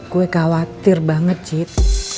gue khawatir banget cid